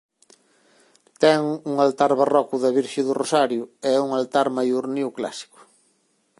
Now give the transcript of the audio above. Ten un altar barroco da Virxe do Rosario e un altar maior neoclásico.